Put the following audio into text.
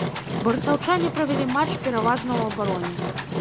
Барысаўчане правялі матч пераважна ў абароне.